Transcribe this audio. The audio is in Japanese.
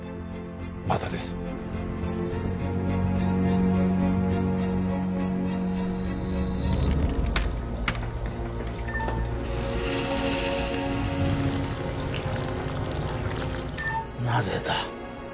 まだですなぜだ？